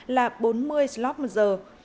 là bốn mươi slot một giờ